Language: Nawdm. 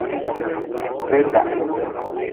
Rida.